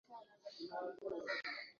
vya kukamatwa kwa kuingia kinyume cha sheria